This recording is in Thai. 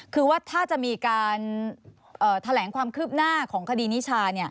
คือว่าถ้าจะมีการแถลงความคืบหน้าของคดีนิชา